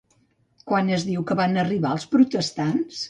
Quan es diu que van arribar els protestants?